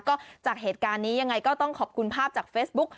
ก็จากเหตุการณ์นี้ยังไงก็ต้องขอบคุณภาพจากเฟซบุ๊ค